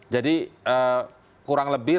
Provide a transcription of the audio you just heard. jadi kurang lebih